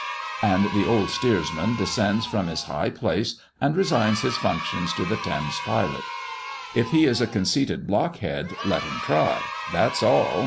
And the old steersman descends from his high place, and resigns his functions to the Thames pilot. If he is a conceited blockhead, let him try that's all.